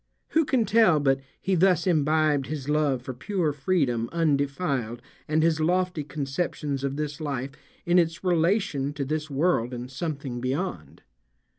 Who can tell but he thus imbibed his love for pure freedom undefiled and his lofty conceptions of this life in its relation to this world and something beyond?